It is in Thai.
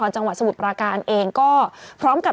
จุดประการเองก็พร้อมกับ